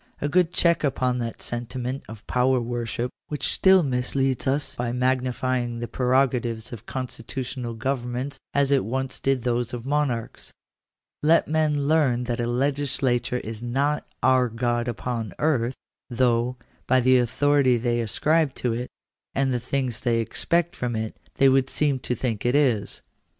A good check upon that sentiment of power worship which still misleads us by magnify ing the prerogatives of constitutional governments as it once did those of monarohs. Let men learn that a legislature is not " our God upon earth," though, by the authority they ascribe to it, and the things they expect from it, they would seem to think it is.